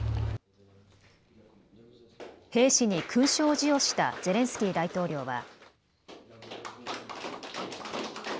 兵士に勲章を授与したゼレンスキー大統領は。